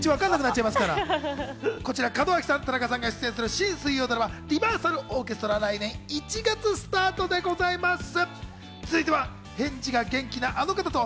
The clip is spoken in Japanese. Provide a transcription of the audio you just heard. こちら門脇さん、田中さんが出演する新水曜ドラマ『リバーサルオーケストラ』は来年１月スタートでございます。